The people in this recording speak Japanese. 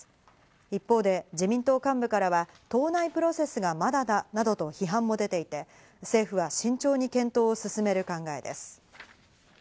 一方で自民党幹部からは党内プロセスがまだだなどと、批判も出ていて、政府は慎重に検討を進める考えです。